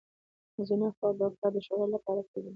ځینو افرادو دا کار د شهرت لپاره کړی دی.